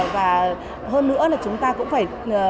và hơn nữa là chúng ta cũng phải